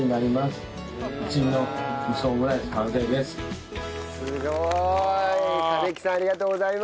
すごーい！